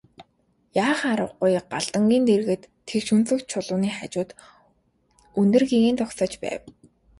Яах аргагүй Галдангийн дэргэд тэгш өнцөгт чулууны хажууд өндөр гэгээн зогсож байв.